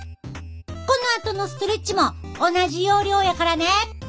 このあとのストレッチも同じ要領やからね。